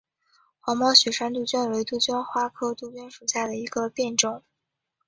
黄毛雪山杜鹃为杜鹃花科杜鹃属下的一个变种。